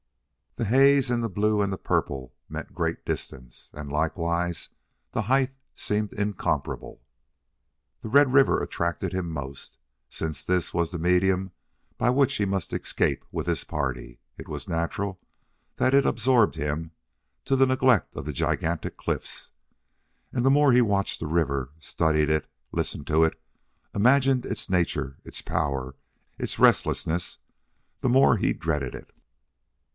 The haze and the blue and the purple meant great distance, and, likewise, the height seemed incomparable. The red river attracted him most. Since this was the medium by which he must escape with his party, it was natural that it absorbed him, to the neglect of the gigantic cliffs. And the more he watched the river, studied it, listened to it, imagined its nature, its power, its restlessness, the more he dreaded it.